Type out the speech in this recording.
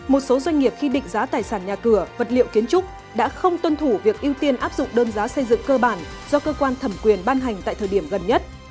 một số doanh nghiệp khi định giá tài sản nhà cửa vật liệu kiến trúc đã không tuân thủ việc ưu tiên áp dụng đơn giá xây dựng cơ bản do cơ quan thẩm quyền ban hành tại thời điểm gần nhất